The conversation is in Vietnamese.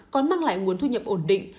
còn mang lại nguồn thu nhập ổn định